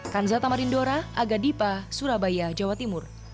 kanza tamarindora aga dipa surabaya jawa timur